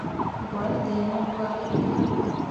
Gwahlle dai nah gwari ɓe.